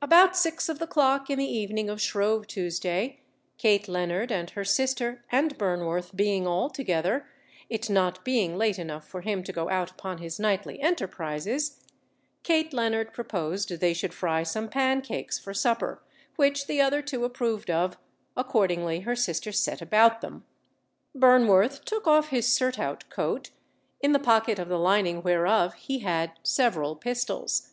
About six of the clock in the evening of Shrove Tuesday, Kate Leonard and her sister and Burnworth being all together (it not being late enough for him to go out upon his nightly enterprises) Kate Leonard proposed they should fry some pancakes for supper, which the other two approved of, accordingly her sister set about them. Burnworth took off his surtout coat, in the pocket of the lining whereof he had several pistols.